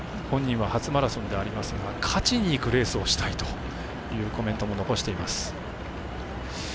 本人は初マラソンではありますが勝ちにいくレースをしたいというコメントを残しています。